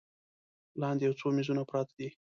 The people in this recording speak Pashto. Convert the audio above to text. لاندې یو څو میزونه پراته دي.